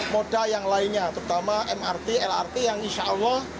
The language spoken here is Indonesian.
moda yang lainnya terutama mrt lrt yang insya allah